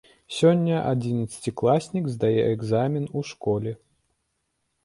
Сёння адзінаццацікласнік здае экзамен у школе.